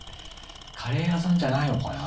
カレー屋さんじゃないのかな。